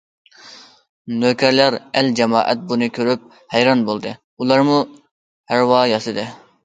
نۆكەرلەر، ئەل- جامائەت بۇنى كۆرۈپ ھەيران بولدى، ئۇلارمۇ ھارۋا ياسىدى.